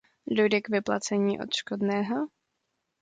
Dojde k vyplacení odškodného?